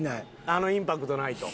あのインパクトないと。